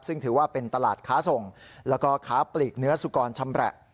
ซึ่งถือว่าเป็นตลาดค้าส่งแล้วก็ค้าปลีกเนื้อสุกรชำแหละ